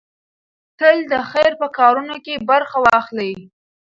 تل د خير په کارونو کې برخه واخلئ.